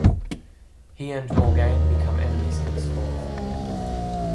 He and Morgaine become enemies henceforth.